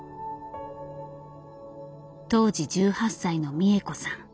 当時１８歳の三枝子さん。